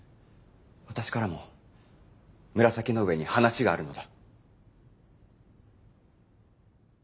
私からも紫の上に話があるのだ。